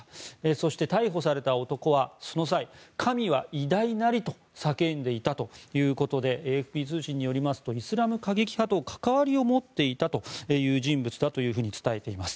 そして逮捕された男はその際神は偉大なりと叫んでいたということでＡＦＰ通信によりますとイスラム過激派と関わりを持っていた人物だと伝えています。